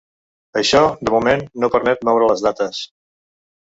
Això, de moment, no permet moure les dates.